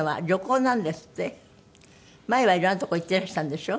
前はいろんなとこ行ってらしたんでしょ？